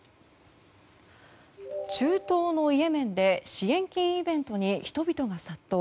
中東のイエメンで支援金イベントに人々が殺到。